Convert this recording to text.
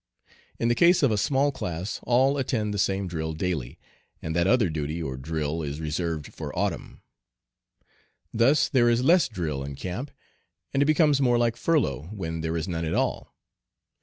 In the case of a small class all attend the same drill daily, and that other duty or drill is reserved for autumn. Thus there is less drill in camp, and it becomes more like furlough when there is none at all.